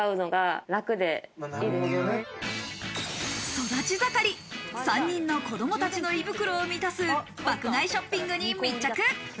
育ち盛り、３人の子供たちの胃袋を満たす爆買いショッピングに密着。